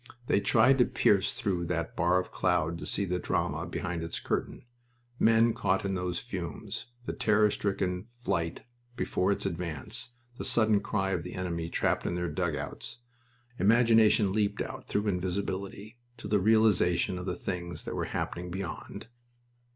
They tried to pierce through that bar of cloud to see the drama behind its curtain men caught in those fumes, the terror stricken flight before its advance, the sudden cry of the enemy trapped in their dugouts. Imagination leaped out, through invisibility, to the realization of the things that were happening beyond.